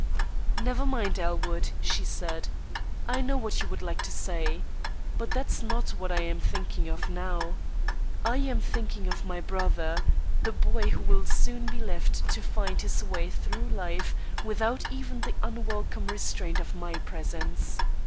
"'Never mind, Elwood,' she said; 'I know what you would like to say. But that's not what I am thinking of now. I am thinking of my brother, the boy who will soon be left to find his way through life without even the unwelcome restraint of my presence.